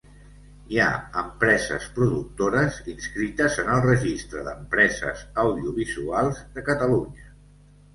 Hi ha empreses productores inscrites en el Registre d'Empreses Audiovisuals de Catalunya.